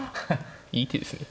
いい手ですね。